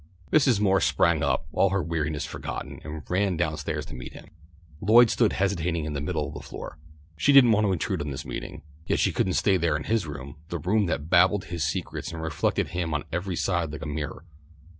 Mrs. Moore sprang up, all her weariness forgotten, and ran down stairs to meet him. Lloyd stood hesitating in the middle of the floor. She didn't want to intrude on this meeting, yet she couldn't stay there in his room, the room that babbled his secrets and reflected him on every side like a mirror.